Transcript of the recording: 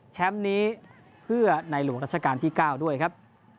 แชมป์นี้เพื่อนายหลวงราชการที่๙ด้วยครับ